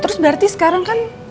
terus berarti sekarang kan